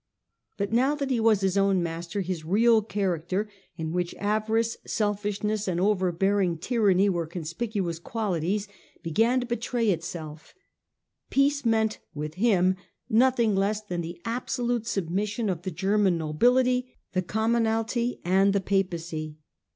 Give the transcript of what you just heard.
But now that he was his own master, his real chaiacter — in which avarice, selfishness, and overbearing tyranny were conspicuous qualities — began to betray itself. Peace meant, with him, nothing less than the absolute submission of the German nobility, the com monalty, and the Papacy.